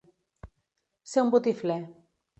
Ser un botifler.